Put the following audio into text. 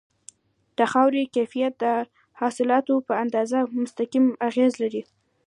د خاورې کیفیت د حاصلاتو په اندازه مستقیم اغیز لري.